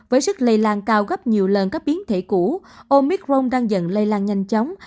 với sức lây lan cao gấp nhiều lần các biến thể cũ omicron đang dần lây lan nhanh chóng